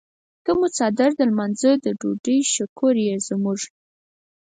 ته مو څادر د لمانځۀ د ډوډۍ شکور یې زموږ.